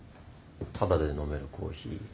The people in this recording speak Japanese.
タダで飲めるコーヒー。